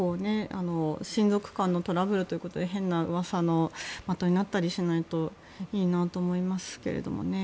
親族間のトラブルということで変なうわさの的になったりしないといいなと思いますが。